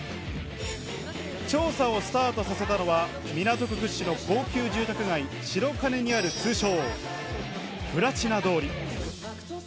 調査をスタートさせたのは港区屈指の高級住宅街・白金にある通称・プラチナ通り。